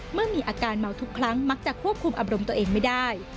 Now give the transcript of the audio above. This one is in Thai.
เมื่อมีอาการเมาทุกครั้งมักจะควบคุมอารมณ์ตัวเองไม่ได้